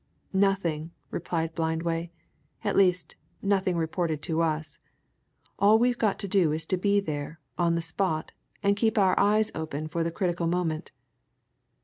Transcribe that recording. "Nothing!" replied Blindway. "At least, nothing reported to us. All we've got to do is to be there, on the spot, and to keep our eyes open for the critical moment."